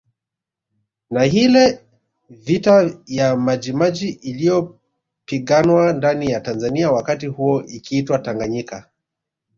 Ni hile vita ya Majimaji iliyopiganwa ndani ya Tanzania wakati huo ikiitwa Tanganyika